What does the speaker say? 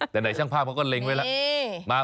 แต่หน่อยช่างภาพก็เล่นไว้ล่ะ